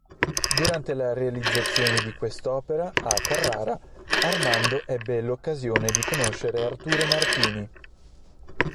Durante la realizzazione di quest'opera, a Carrara, Armando ebbe l'occasione di conoscere Arturo Martini.